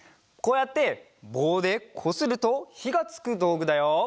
こうやってぼうでこするとひがつくどうぐだよ。